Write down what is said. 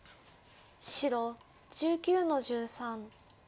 白１９の十三。